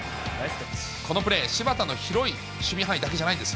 このプレー、柴田の広い守備範囲だけじゃないんです。